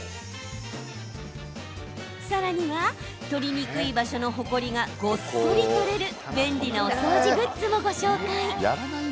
さらには取りにくい場所のほこりがごっそり取れる便利なお掃除グッズもご紹介。